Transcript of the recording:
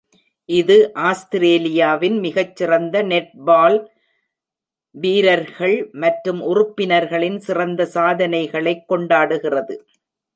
இது ஆஸ்திரேலியாவின் மிகச்சிறந்த நெட்பால் வீரர்கள் மற்றும் உறுப்பினர்களின் சிறந்த சாதனைகளை கொண்டாடுகிறது.